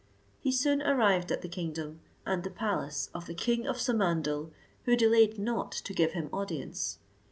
He soon arrived at the kingdom, and the palace of the king of Samandal, who delayed not to give him audience.